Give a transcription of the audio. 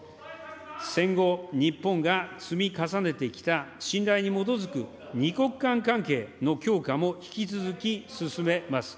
戦後日本が積み重ねてきた信頼に基づく二国間関係の強化も引き続き進めます。